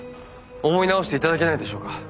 思い直していただけないでしょうか？